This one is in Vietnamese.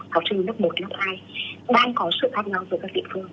học sinh lớp một lớp hai đang có sự tham nhau với các địa phương